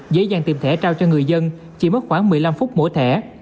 dễ dàng tìm thẻ trao cho người dân chỉ mất khoảng một mươi năm phút mỗi thẻ